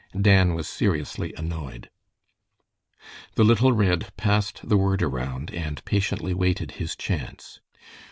Dan was seriously annoyed. The little Red passed the word around and patiently waited his chance.